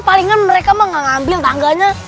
palingan mereka mah ngambil tangganya